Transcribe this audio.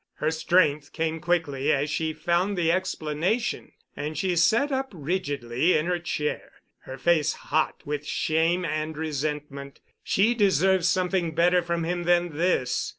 Her strength came quickly as she found the explanation, and she sat up rigidly in her chair, her face hot with shame and resentment. She deserved something better from him than this.